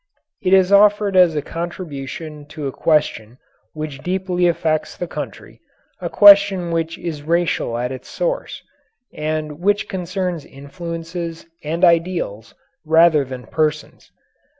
It is offered as a contribution to a question which deeply affects the country, a question which is racial at its source, and which concerns influences and ideals rather than persons.